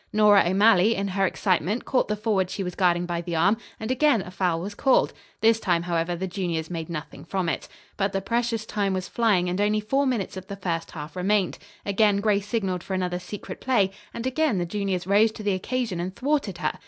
Nora O'Malley, in her excitement, caught the forward she was guarding by the arm, and again a foul was called; this time, however, the juniors made nothing from it. But the precious time was flying and only four minutes of the first half remained. Again Grace signaled for another secret play, and again the juniors rose to the occasion and thwarted her.